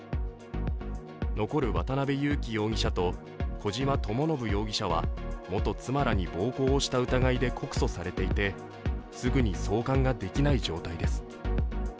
残る渡辺優樹容疑者と小島智信容疑者は元妻らに暴行をした疑いで告訴されていてすぐに送還ができない状態です。